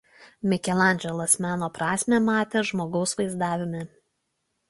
Mikelandželas meno prasmę matė žmogaus vaizdavime.